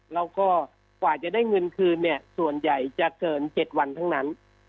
แล้วก็กว่าจะได้เงินคืนเนี่ยส่วนใหญ่จะเกิน๗วันทั้งนั้น